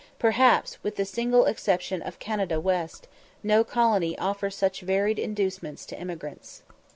Perhaps, with the single exception of Canada West, no colony offers such varied inducements to emigrants.